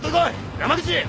山口！